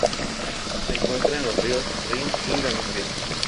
Se encuentra en los ríos Rin y Danubio.